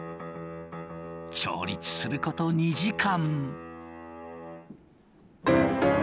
調律すること２時間。